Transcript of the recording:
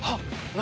何？